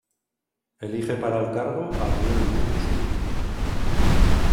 Elige para el cargo a Myung-Whun Chung.